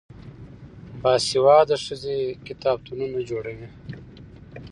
باسواده ښځې کتابتونونه جوړوي.